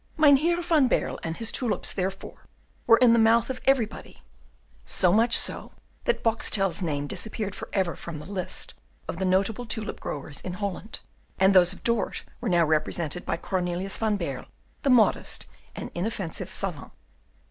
Mynheer van Baerle and his tulips, therefore, were in the mouth of everybody; so much so, that Boxtel's name disappeared for ever from the list of the notable tulip growers in Holland, and those of Dort were now represented by Cornelius van Baerle, the modest and inoffensive savant.